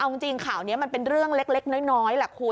เอาจริงข่าวนี้มันเป็นเรื่องเล็กน้อยแหละคุณ